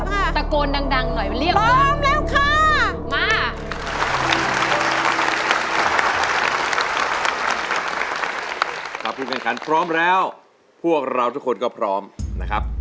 พร้อมจะสู้หรือยังคะพร้อมนะคะ